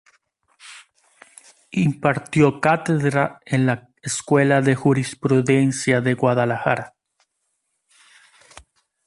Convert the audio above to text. Impartió cátedra en la Escuela de Jurisprudencia de Guadalajara.